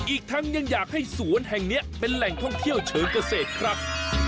อีกทั้งยังอยากให้สวนแห่งนี้เป็นแหล่งท่องเที่ยวเชิงเกษตรครับ